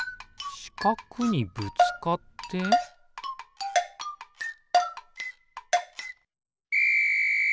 しかくにぶつかってピッ！